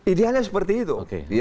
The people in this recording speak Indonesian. idealnya seperti itu